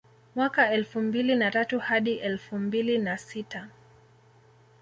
Mwaka elfu mbili na tatu hadi elfu mbili na sita